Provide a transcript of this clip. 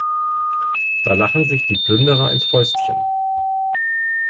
Da lachen sich die Plünderer ins Fäustchen.